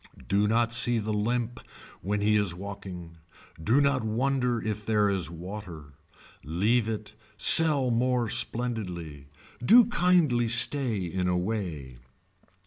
Do not see the limp when he is walking. Do not wonder if there is water. Leave it, sell more splendidly. Do kindly stay in a way.